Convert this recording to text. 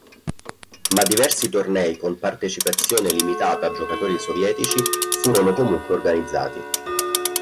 Ma diversi tornei con partecipazione limitata a giocatori sovietici furono comunque organizzati.